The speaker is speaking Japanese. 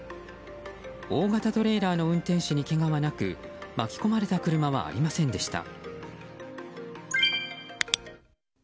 大型トレーラーの運転手にけがはなく巻き込まれた車はありませんでした。